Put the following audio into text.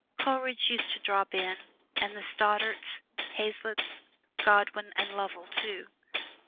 Coleridge used to drop in, and the Stoddarts, Hazlitts, Godwin and Lovell, too.